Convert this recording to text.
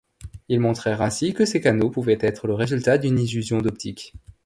Ils montrèrent ainsi que ces canaux pouvaient être le résultat d’une illusion d'optique.